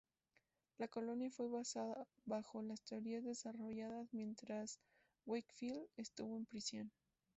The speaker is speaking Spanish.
La colonia fue basada bajo las teorías desarrolladas mientras Wakefield estuvo en prisión.